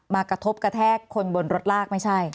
กระทบกระแทกคนบนรถลากไม่ใช่